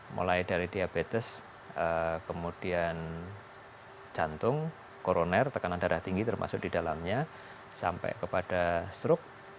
mulai dari diabetes kemudian jantung koroner tekanan darah tinggi termasuk di dalamnya sampai kepada strok